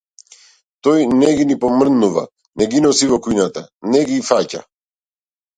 Тој не ги ни помрднува, не ги носи во кујната, не ги фаќа.